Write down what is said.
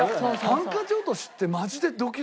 ハンカチ落としってマジでドキドキするよ。